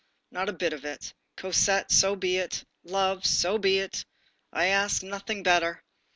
Not a bit of it. Cosette, so be it; love, so be it; I ask nothing better.